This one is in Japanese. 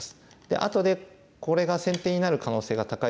あとでこれが先手になる可能性が高いですから。